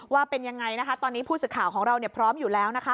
ว่าเป็นยังไงนะคะตอนนี้ผู้สื่อข่าวของเราพร้อมอยู่แล้วนะคะ